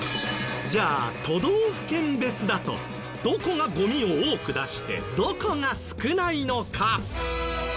じゃあ都道府県別だとどこがゴミを多く出してどこが少ないのか？